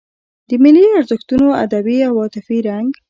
د ملي ارزښتونو ادبي او عاطفي رنګ.